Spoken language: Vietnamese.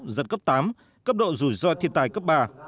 dân cấp tám cấp độ rủi ro thiên tai cấp ba